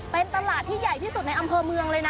เป็นตลาดที่ใหญ่ที่สุดในอำเภอเมืองเลยนะ